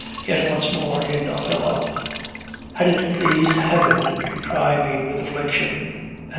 Yet, once more, in Othello, "Had it pleased Heaven To try me with affliction," &c.